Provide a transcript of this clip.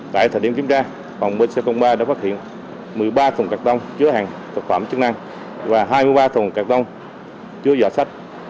tại thời điểm kiểm tra phòng bến xe phong hoa đã phát hiện một mươi ba thùng cạc tông chứa hàng thực phẩm chức năng và hai mươi ba thùng cạc tông chứa dọa sách